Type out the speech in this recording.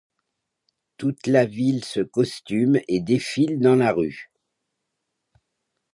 Toute la ville se costume et défile dans la rue.